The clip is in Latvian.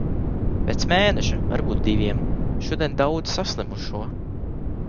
Pēc mēneša, varbūt diviem. Šodien daudz saslimušo.